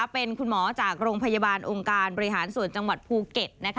เป็นคุณหมอจากโรงพยาบาลองค์การบริหารส่วนจังหวัดภูเก็ต